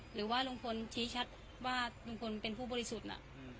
หรือว่าลุงพลชี้ชัดว่าลุงพลเป็นผู้บริสุทธิ์น่ะ